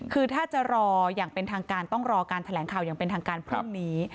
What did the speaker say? คือถ้าจะรออย่างเป็นทางการต้องรอการแถลงข่าวอย่างเป็นทางการพรุ่งนี้